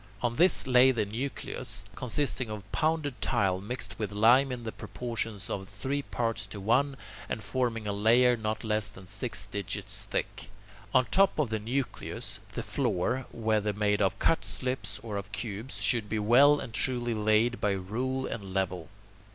On this lay the nucleus, consisting of pounded tile mixed with lime in the proportions of three parts to one, and forming a layer not less than six digits thick. On top of the nucleus, the floor, whether made of cut slips or of cubes, should be well and truly laid by rule and level.